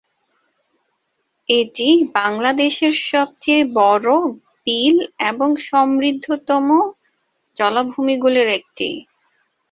এটি বাংলাদেশের সবচেয়ে বড় বিল এবং সমৃদ্ধতম জলাভূমিগুলির একটি।